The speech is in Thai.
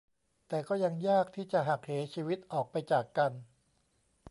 แต่ก็ยังยากที่จะหักเหชีวิตออกไปจากกัน